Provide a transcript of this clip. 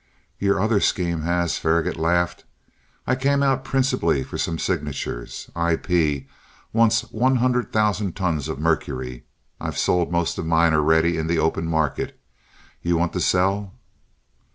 "Your other scheme has." Faragaut laughed. "I came out principally for some signatures. IP wants one hundred thousand tons of mercury. I've sold most of mine already in the open market. You want to sell?"